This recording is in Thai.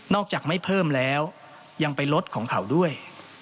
จากไม่เพิ่มแล้วยังไปลดของเขาด้วย